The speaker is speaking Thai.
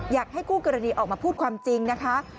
อยากให้คู่กรณีออกมาพูดความจริงนะคะ